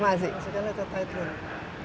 masih karena kita titling